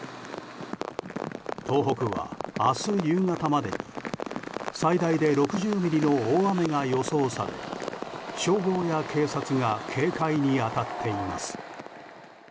東北は明日夕方まで最大で６０ミリの大雨が予想され消防や警察が警戒に当たっています。